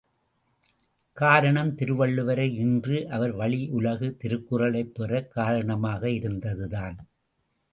காரணம் திருவள்ளுவரை ஈன்று அவர் வழி உலகு திருக்குறளைப் பெறக் காரணமாக இருந்ததுதான்.